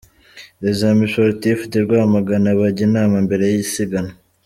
Les Amis Sportifs de Rwamagana bajya inama mbere y'isiganwa .